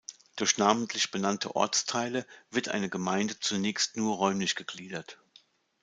Durch namentlich benannte Ortsteile wird eine Gemeinde zunächst nur räumlich gegliedert.